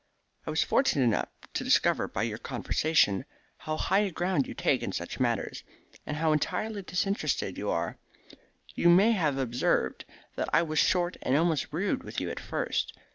"I was fortunate enough to discover by your conversation how high a ground you take in such matters, and how entirely disinterested you are. You may have observed that I was short and almost rude with you at first.